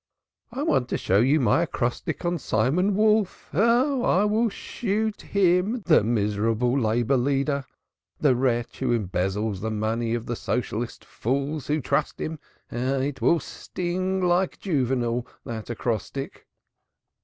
"I want to show you my acrostic on Simon Wolf; ah! I will shoot him, the miserable labor leader, the wretch who embezzles the money of the Socialist fools who trust him. Aha! it will sting like Juvenal, that acrostic."